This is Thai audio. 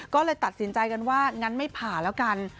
ก็เลยตัดสินใจกันว่างั้นไม่ผ่าแล้วกัน